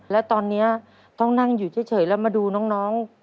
แล้วตอนนี้ต้องนั่งอยู่เฉยแล้วมาดูน้อง